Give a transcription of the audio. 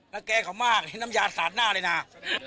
รังแก่เขามากน้ำยาสัดหน้าเลยนะ